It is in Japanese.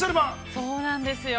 ◆そうなんですよ。